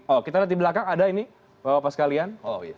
oh kita lihat di belakang ada ini bapak bapak sekalian